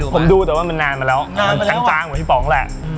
ผมดูแต่ว่ามันนานมาแล้วมันจางเหมือนพี่ป๋องแหละ